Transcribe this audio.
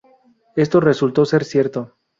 Esto resultó ser cierto.